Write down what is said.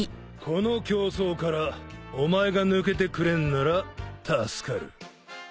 この競争からお前が抜けてくれんなら助かる。